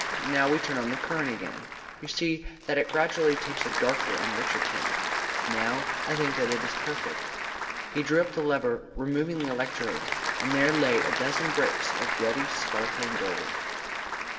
Now we turn on the current again. You see that it gradually takes a darker and richer tint. Now I think that it is perfect." He drew up the lever, removed the electrodes, and there lay a dozen bricks of ruddy sparkling gold.